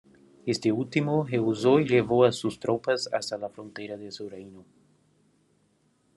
Este último rehusó y llevó a sus tropas hasta la frontera de su reino.